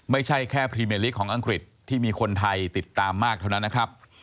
ไม่ใช่แค่พรีเมลิกของอังกฤษที่มีคนไทยติดตามมากเท่านั้นนะครับ